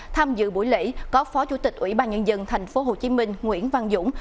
tham dự buổi lễ có phó chủ tịch ủy ban nhân dân tp hcm nguyễn văn dũng